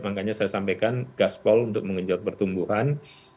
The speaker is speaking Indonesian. makanya saya sampaikan gaspol untuk mengenjot pertumbuhan